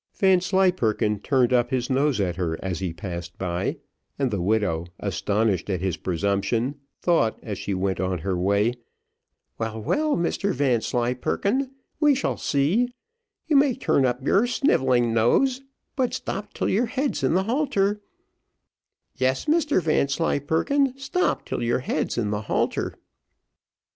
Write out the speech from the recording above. Vanslyperken turned up his nose at her as he passed by, and the widow astonished at his presumption, thought as she went on her way, "Well, well, Mr Vanslyperken, we shall see, you may turn up your snivelling nose, but stop till your head's in the halter yes, Mr Vanslyperken, stop till your head's in the halter."